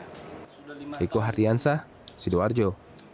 riko hardiansah sidoarjo